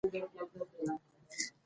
اداره د خلکو د ستونزو حل ته ژمنه ده.